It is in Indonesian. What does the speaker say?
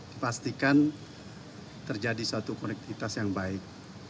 harus dipastikan terjadi satu konektivitas yang baik